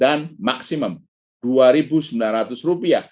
dan maksimum rp dua sembilan ratus